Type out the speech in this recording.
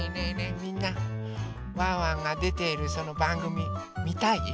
みんなワンワンがでているそのばんぐみみたい？